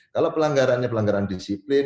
kalau pelanggarannya pelanggaran disiplin